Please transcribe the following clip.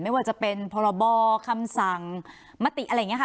ไม่ว่าจะเป็นพรบคำสั่งมติอะไรอย่างนี้ค่ะ